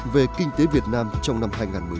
về kinh tế việt nam trong năm hai nghìn một mươi chín